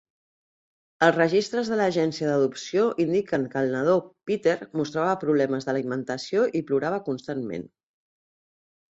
Els registres de l'agència d'adopció indiquen que el nadó, Peter, mostrava problemes d'alimentació i plorava constantment.